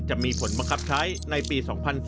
จะมีผลมะครับใช้ในปี๒๔๙๗